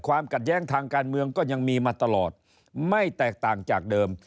ความขัดแย้งทางการเมืองก็ยังมีมาตลอดไม่แตกต่างจากเดิม